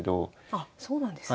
あっそうなんですね。